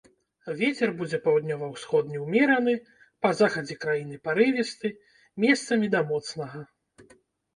Вецер будзе паўднёва-ўсходні ўмераны, па захадзе краіны парывісты, месцамі да моцнага.